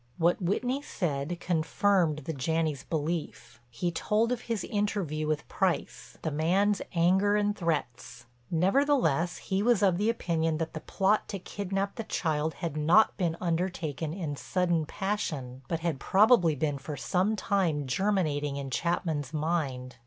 What Whitney said confirmed the Janneys' belief. He told of his interview with Price; the man's anger and threats. Nevertheless he was of the opinion that the plot to kidnap the child had not been undertaken in sudden passion, but had probably been for some time germinating in Chapman's mind.